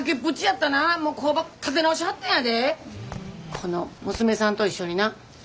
この娘さんと一緒にな。